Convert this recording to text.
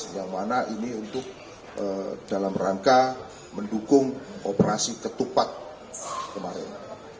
yang mana ini untuk dalam rangka mendukung operasi ketupat kemarin